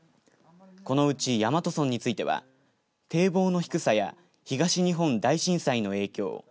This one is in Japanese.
このうち、大和村については堤防の低さや東日本大震災の影響